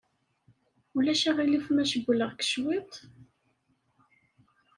Ulac aɣilif ma cewwleɣ-k cwiṭ?